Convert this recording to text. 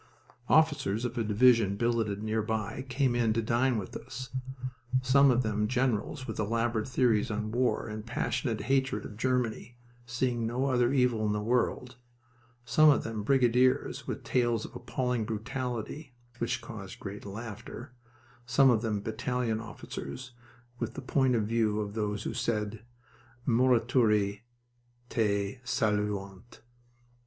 Officers of a division billeted nearby came in to dine with us, some of them generals with elaborate theories on war and a passionate hatred of Germany, seeing no other evil in the world; some of them brigadiers with tales of appalling brutality (which caused great laughter), some of them battalion officers with the point of view of those who said, "Morituri te saluant!"